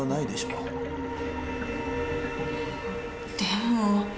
でも。